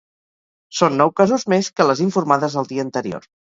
Són nou casos més que les informades el dia anterior.